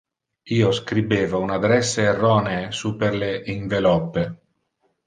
Io scribeva un adresse erronee super le inveloppe.